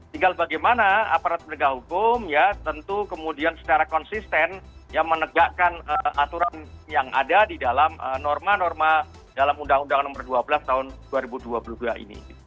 tinggal bagaimana aparat penegak hukum ya tentu kemudian secara konsisten ya menegakkan aturan yang ada di dalam norma norma dalam undang undang nomor dua belas tahun dua ribu dua puluh dua ini